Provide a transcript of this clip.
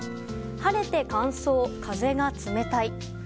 晴れて乾燥、風が冷たい。